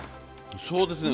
そうですね